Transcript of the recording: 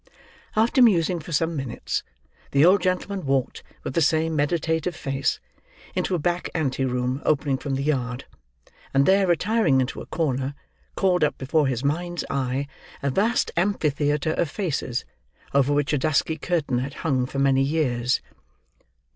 After musing for some minutes, the old gentleman walked, with the same meditative face, into a back anteroom opening from the yard; and there, retiring into a corner, called up before his mind's eye a vast amphitheatre of faces over which a dusky curtain had hung for many years.